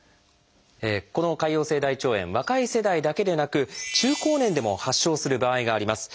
この潰瘍性大腸炎若い世代だけでなく中高年でも発症する場合があります。